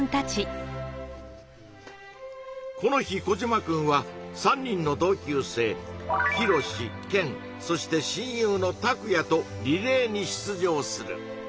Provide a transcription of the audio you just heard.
この日コジマくんは３人の同級生ヒロシケンそして親友のタクヤとリレーに出場する。